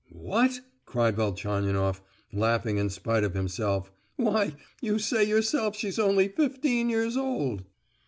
"What?" cried Velchaninoff, laughing in spite of himself. "Why, you say yourself she's only fifteen years old."